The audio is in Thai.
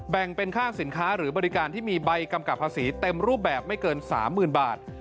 เป็นค่าสินค้าหรือบริการที่มีใบกำกับภาษีเต็มรูปแบบไม่เกิน๓๐๐๐บาท